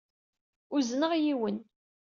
Uzneɣ yiwen.